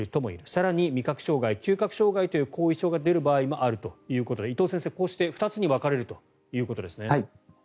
更に味覚障害、嗅覚障害という後遺症が出る場合もあるということで伊藤先生、こうして２つに分かれるということですね。